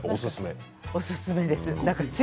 おすすめです。